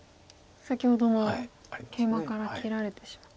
先ほどのケイマから切られてしまう。